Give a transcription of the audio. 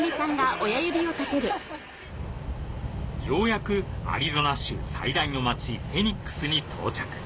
ようやくアリゾナ州最大の街フェニックスに到着